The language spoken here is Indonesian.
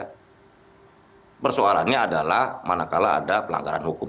ya persoalannya adalah mana kalah ada pelanggaran hukum